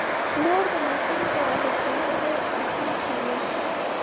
مور د ماشوم د حفظ الصحې اصول ښيي.